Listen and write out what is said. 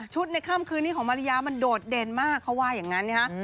ในค่ำคืนนี้ของมาริยามันโดดเด่นมากเขาว่าอย่างนั้นนะฮะ